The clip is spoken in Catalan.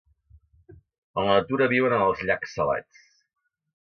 En la natura viuen en els llacs salats.